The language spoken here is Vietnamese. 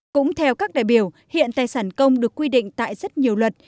cũng theo các đại biểu hiện tài sản công được quy định tại rất nhiều luật